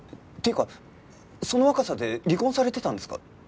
っていうかその若さで離婚されてたんですか？